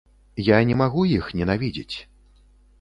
Я не магу іх ненавідзець.